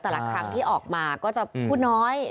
แต่ละครั้งที่ออกมาก็จะพูดน้อย